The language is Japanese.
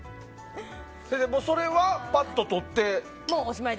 それはぱっととって？